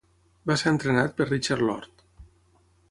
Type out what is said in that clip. Va ser entrenat per Richard Lord.